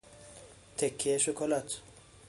تکهی شکلات